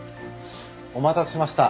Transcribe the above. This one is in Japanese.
お待たせしました。